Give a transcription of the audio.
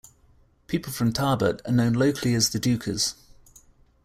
People from Tarbert are known locally as "the Dookers".